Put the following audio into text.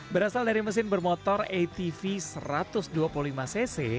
berasal dari mesin bermotor atv satu ratus dua puluh lima cc